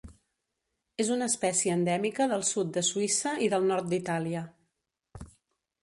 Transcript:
És una espècie endèmica del sud de Suïssa i del nord d'Itàlia.